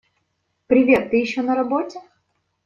Привет! Ты ещё на работе?